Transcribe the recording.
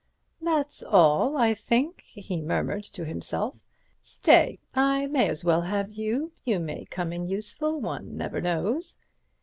"That's all, I think," he murmured to himself. "Stay—I may as well have you—you may come in useful—one never knows."